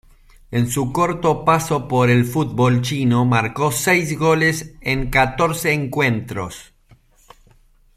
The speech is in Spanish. En su corto paso por el fútbol chino marcó seis goles en catorce encuentros.